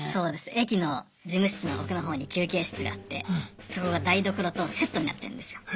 駅の事務室の奥のほうに休憩室があってそこが台所とセットになってんですよ。